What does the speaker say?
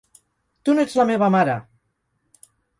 Tu no ets la meva mare!